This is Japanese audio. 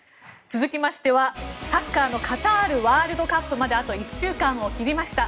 続きましては、サッカーのカタールワールドカップまであと１週間を切りました。